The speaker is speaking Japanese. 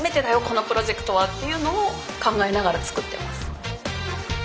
このプロジェクトはっていうのを考えながら作ってます。